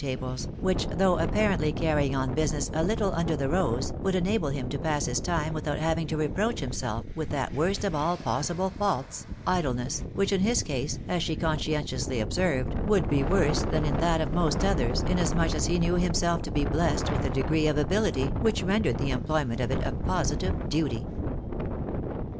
tables, which, though apparently carrying on business a little under the rose, would enable him to pass his time without having to reproach himself with that worst of all possible faults, idleness, which in his case, as she conscientiously observed, would be worse than in that of most others, inasmuch as he knew himself to be blessed with a degree of abiUty which rendered the employment of it a positive duty.